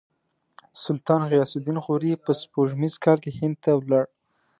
سلطان غیاث الدین غوري په سپوږمیز کال کې هند ته ولاړ.